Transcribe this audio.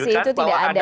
relasi itu tidak ada ya